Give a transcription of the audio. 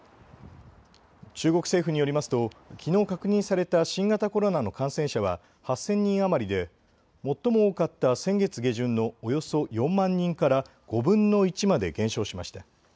中国政府によりますときのう確認された新型コロナの感染者は８０００人余りで最も多かった先月下旬のおよそ４万人から５分の１まで減少しました。